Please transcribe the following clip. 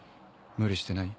無理してない？